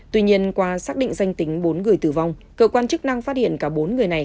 tuy nhiên qua xác định danh tính bốn người tử vong cơ quan chức năng phát hiện cả bốn người này